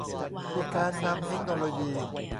มีการนำเทคโนโลยี